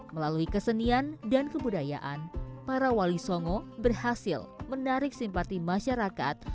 melalui kesenian dan kebudayaan para wali songo berhasil menarik simpati masyarakat